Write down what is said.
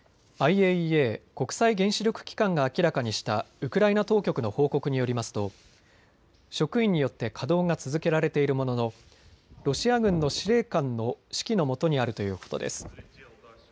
ＩＡＥＡ・国際原子力機関が明らかにしたウクライナ当局の報告によりますと職員によって稼働が続けられているもののロシア軍の司令官の指揮のもとにあるということです。